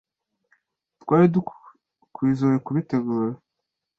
Twari dukwizoe kubitegura.